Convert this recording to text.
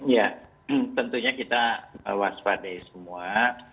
ya tentunya kita waspadai semua